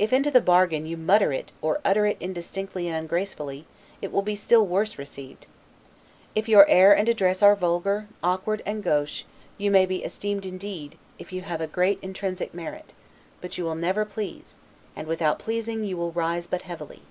If, into the bargain, YOU MUTTER IT, OR UTTER IT INDISTINCTLY AND UNGRACEFULLY, it will be still worse received. If your air and address are vulgar, awkward, and gauche, you may be esteemed indeed, if you have great intrinsic merit; but you will never, please; and without pleasing you will rise but heavily.